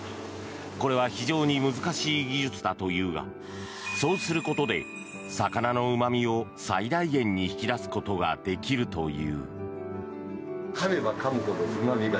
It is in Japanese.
これは非常に難しい技術だというがそうすることで魚のうま味を最大限に引き出すことができるという。